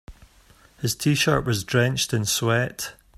His t-shirt was drenched in sweat.